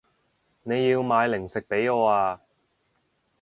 你要買零食畀我啊